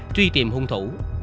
tuy tìm hung thủ